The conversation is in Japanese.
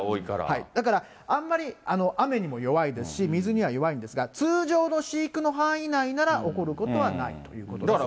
だからあんまり雨にも弱いですし、水には弱いんですが、通常の飼育の範囲内なら、起こることはないということですね。